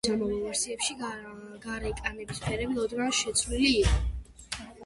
ალბომის ამავე ვერსიებში გარეკანის ფერები ოდნავ შეცვლილი იყო.